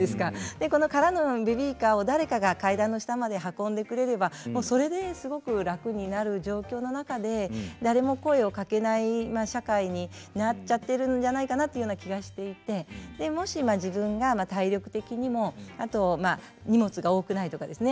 でこの空のベビーカーを誰かが階段の下まで運んでくれればもうそれですごく楽になる状況の中で誰も声をかけない社会になっちゃってるんじゃないかなっていうような気がしていてでもし自分が体力的にもあとまあ荷物が多くないとかですね